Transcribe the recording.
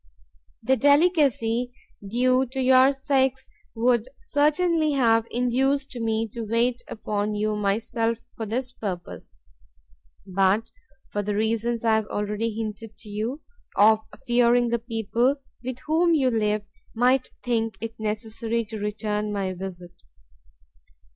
The delicacy due to your sex would certainly have induced me to wait upon you myself for this purpose, but for the reasons I have already hinted to you, of fearing the people with whom you live might think it necessary to return my visit.